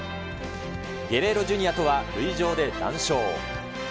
ゲレーロＪｒ．とは塁上で談笑。